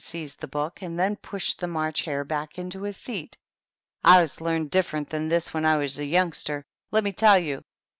seized the book, and then pushed the March Hare back into his seat. "I was learned different to this when I was a youngster, let me tell you.